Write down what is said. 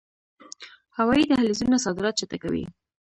هوایی دهلیزونه صادرات چټکوي